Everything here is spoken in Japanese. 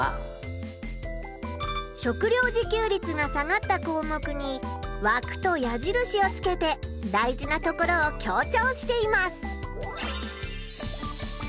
食料自給率が下がったこうもくにわくとやじるしをつけて大事なところを強調しています！